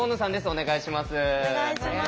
お願いします。